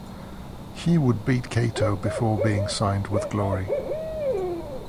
He would beat Kaito before being signed with Glory.